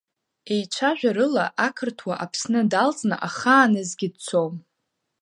Еицәажәарыла ақырҭуа Аԥсны далҵны ахааназгьы дцом.